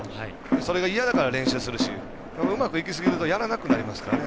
それが嫌だから失敗するしうまくいきすぎるとやらなくなりますからね